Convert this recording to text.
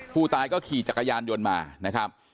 ผู้ตายก็ขี่จักรยานยนต์มานะครับ